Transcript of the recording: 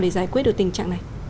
để giải quyết được tình trạng này